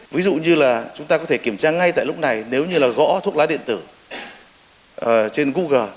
ví dụ như là chúng ta có thể kiểm tra ngay tại lúc này nếu như là gõ thuốc lá điện tử trên google